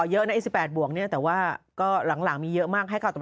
เยอะน่ะอสิบแปดบวกเนี้ยแต่ว่าก็หลังมีเยอะมากให้กี่เป็น